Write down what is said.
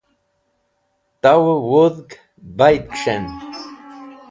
Towey Wudhg Baid Kis̃hen